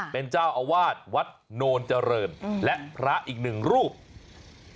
เป็นเจ้าอาวาสวัดโนนเจริญและพระอีกหนึ่งรูป